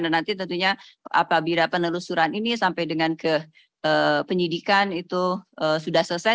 dan nanti tentunya apabila penelusuran ini sampai dengan penyidikan itu sudah selesai